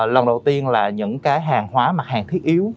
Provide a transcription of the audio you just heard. lần đầu tiên là những cái hàng hóa mặt hàng thiết yếu